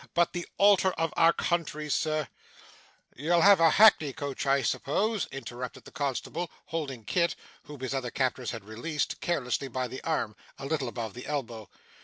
But the altar of our country sir ' 'You'll have a hackney coach, I suppose?' interrupted the constable, holding Kit (whom his other captors had released) carelessly by the arm, a little above the elbow.